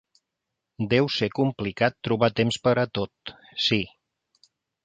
Deu ser complicat trobar temps per a tot, sí.